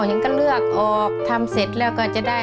เห็นก็เลือกออกทำเสร็จแล้วก็จะได้